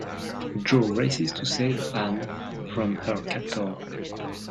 Joe races to save Ann from her captor.